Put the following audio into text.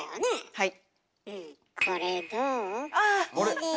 はい。